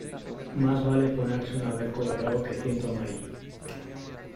Más vale ponerse una vez colorado que ciento amarillo.